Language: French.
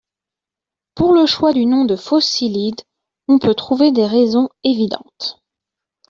Pour le choix du nom de Phocylide on peut trouver des raisons évidentes.